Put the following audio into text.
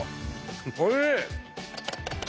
おいしい！